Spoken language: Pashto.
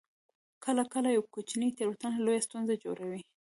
کله کله یوه کوچنۍ تیروتنه لویه ستونزه جوړوي